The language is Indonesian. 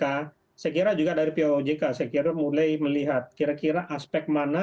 saya kira juga dari pojk saya kira mulai melihat kira kira aspek mana